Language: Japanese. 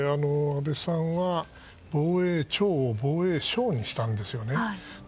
安倍さんは防衛庁を防衛省にしたんですよね。